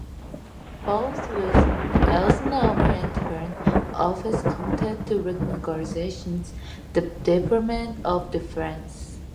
Both Wilson and Eisenhower entered office committed to reorganizing the Department of Defense.